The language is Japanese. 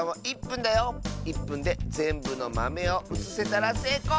１ぷんでぜんぶのまめをうつせたらせいこう！